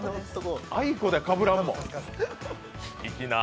あいこで、かぶらんもん。